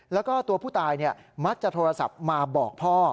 แล้วก็ตัวผู้ตายมักจะโทรศัพท์มาบอกพ่อ